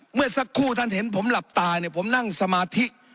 เมื่อสักครู่ท่านเห็นผมหลับตาเนี่ยผมนั่งสมาธิ